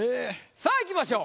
さあいきましょう。